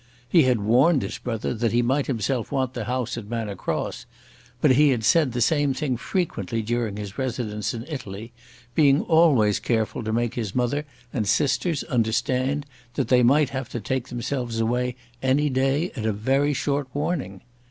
He had warned his brother that he might himself want the house at Manor Cross; but he had said the same thing frequently during his residence in Italy, being always careful to make his mother and sisters understand that they might have to take themselves away any day at a very short warning.